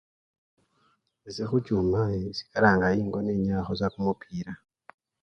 Ese khuchuma esikalanga sa engo nenyayakho kumupira.